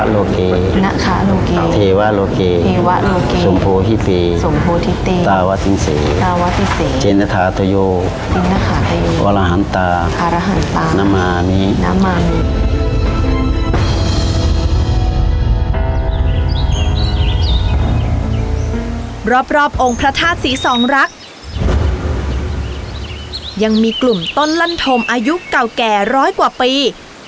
รอบองค์พระธาตุสีสองรักษณ์ยังมีกลุ่มต้นลั่นโทมอายุเก่าแก่๑๐๐กว่าปี